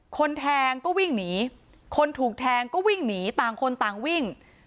คนแทงก็วิ่งหนีคนถูกแทงก็วิ่งหนีต่างคนต่างวิ่ง